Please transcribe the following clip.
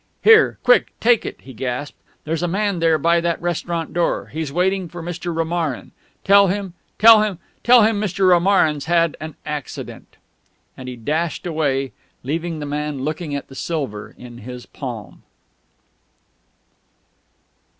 "Here quick take it!" he gasped. "There's a man there, by that restaurant door he's waiting for Mr. Romarin tell him tell him tell him Mr. Romarin's had an accident " And he dashed away, leaving the man looking at the silver in his palm.